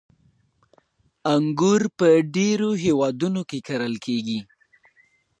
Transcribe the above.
• انګور په ډېرو هېوادونو کې کرل کېږي.